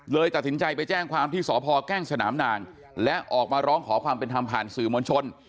ตัดสินใจไปแจ้งความที่สพแก้งสนามนางและออกมาร้องขอความเป็นธรรมผ่านสื่อมวลชน